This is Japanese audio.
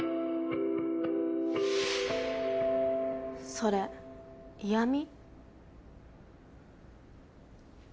それ嫌味？